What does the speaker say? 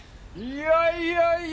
いやいやいや！